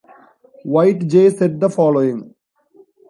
White J said the following.